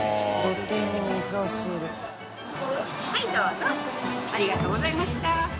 呂どうぞありがとうございました。